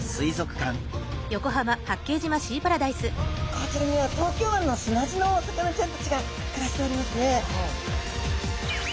こちらには東京湾の砂地のお魚ちゃんたちが暮らしておりますね。